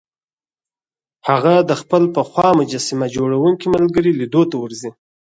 هغه د خپل پخوا مجسمه جوړوونکي ملګري لیدو ته ورځي